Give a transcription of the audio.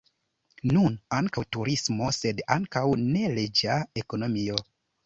Nun ankaŭ turismo, sed ankaŭ neleĝa ekonomio.